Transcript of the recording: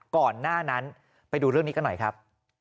ก่อนหน้านั้นไปดูเรื่องนี้กันหน่อยครับ